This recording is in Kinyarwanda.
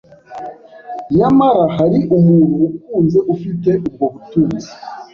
nyamara hari umuntu ukunze ufite ubwo butunzi